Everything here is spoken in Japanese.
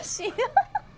ハハハ。